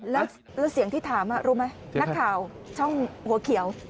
แล้วเสียงที่ถามรู้ไหมนักข่าวช่องหัวเขียว